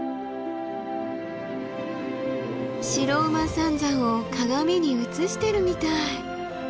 白馬三山を鏡に映してるみたい。